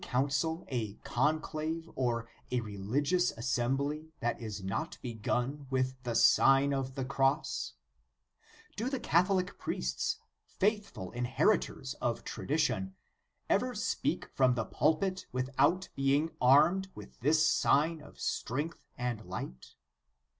council, a conclave, or a religious assembly that is not begun with the Sign of the Cross ? Do the Catholic priests, faithful inheritors of tradi tion, ever speak from the pulpit without being armed with this sign of strength and light